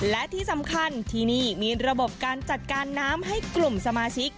และที่สำคัญที่นี่มีระบบการจัดการน้ำให้กลุ่มสมาชิก